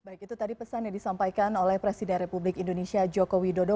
baik itu tadi pesan yang disampaikan oleh presiden republik indonesia joko widodo